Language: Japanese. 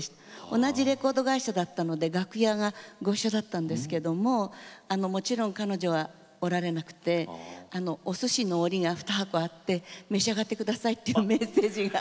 同じレコード会社だったので楽屋がご一緒だったんですけどももちろん彼女はおられなくておすしの折が２箱あって召し上がって下さいっていうメッセージが。